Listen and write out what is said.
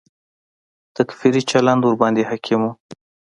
تکفیري چلند ورباندې حاکم و.